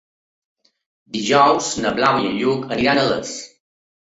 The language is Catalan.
Dijous na Blau i en Lluc iran a Les.